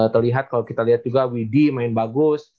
terlihat kalau kita liat juga wb main bagus